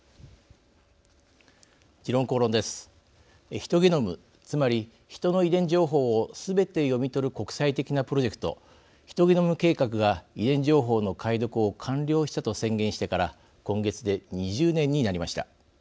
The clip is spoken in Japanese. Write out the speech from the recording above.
ヒトゲノム、つまりヒトの遺伝情報を、すべて読み取る国際的なプロジェクトヒトゲノム計画が遺伝情報の解読を完了したと宣言してから今月で２０年になりました。